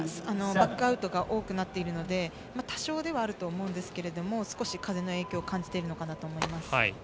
バックアウトが多くなっているので多少ではあると思うんですが少し、風の影響を感じているのかなと思います。